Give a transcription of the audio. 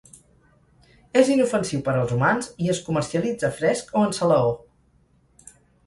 És inofensiu per als humans i es comercialitza fresc o en salaó.